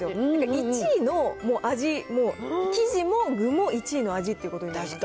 １位の味、生地も具も１位の味ということになります。